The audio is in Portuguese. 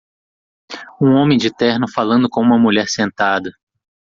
Um homem de terno falando com uma mulher sentada.